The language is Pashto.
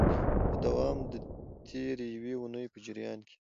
په دوام د تیري یوې اونۍ په جریان کي